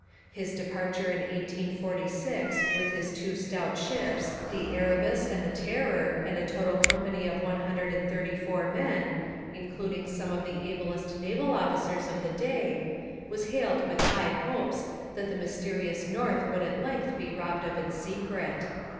His departure in 1846 with his two stout ships the Erebus and the Terror and a total company of one hundred and thirty four men, including some of the ablest naval officers of the day, was hailed with high hopes that the mysterious north would at length be robbed of its secret.